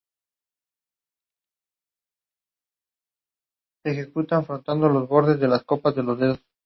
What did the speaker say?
Así han creado muchos procedimientos sofisticados de aprendizaje para redes neuronales.